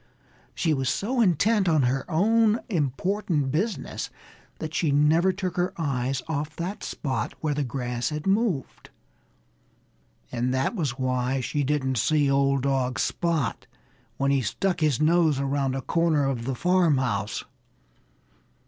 She was so intent on her own important business that she never took her eyes off that spot where the grass had moved. And that was why she didn't see old dog Spot when he stuck his nose around a corner of the farmhouse.